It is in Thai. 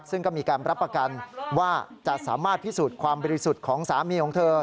ซึ่งก็มีการรับประกันว่าจะสามารถพิสูจน์ความบริสุทธิ์ของสามีของเธอ